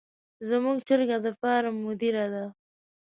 زموږ چرګه د فارم مدیره ده.